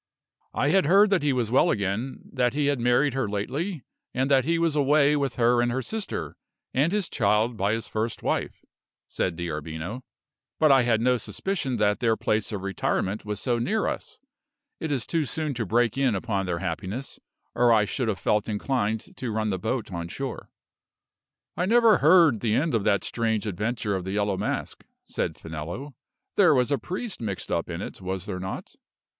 "I had heard that he was well again, that he had married her lately, and that he was away with her and her sister, and his child by the first wife," said D'Arbino; "but I had no suspicion that their place of retirement was so near us. It is too soon to break in upon their happiness, or I should have felt inclined to run the boat on shore." "I never heard the end of that strange adventure of the Yellow Mask," said Finello. "There was a priest mixed up in it, was there not?"